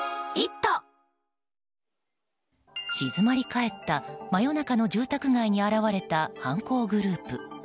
静まり返った真夜中の住宅街に現れた犯行グループ。